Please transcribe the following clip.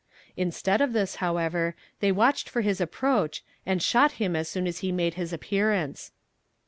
Instead of this, however, they watched for his approach, and shot him as soon as he made his appearance.